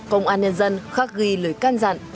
công an nhân dân khắc ghi lời can dặn